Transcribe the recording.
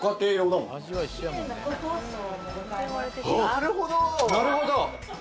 なるほど。